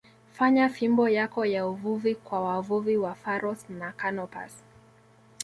fanya fimbo yako ya uvuvi kwa wavuvi wa Pharos na Canopus